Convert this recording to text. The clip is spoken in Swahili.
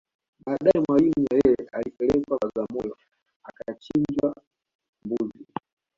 Baadae Mwalimu Nyerere alipelekwa Bagamoyo akachinjwa mbuzi